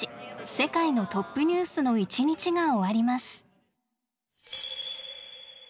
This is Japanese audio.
世界のトップニュース」の一日が終わります。